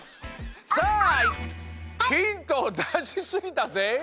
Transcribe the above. さあヒントをだしすぎたぜい。